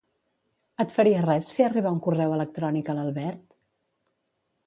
Et faria res fer arribar un correu electrònic a l'Albert?